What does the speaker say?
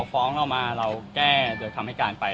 ฟ้องเรามาเราแก้โดยคำให้การไป